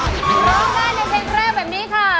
ร้องได้ในเพลงแรกแบบนี้ค่ะ